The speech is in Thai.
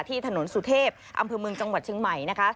ที่ถนนสุเทพอำเภอเมืองจังหวัดเชียงใหม่นะคะ